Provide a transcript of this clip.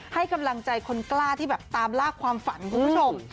ให้กำลังใจคนกล้าที่แบบตามลากความฝันคุณผู้ชม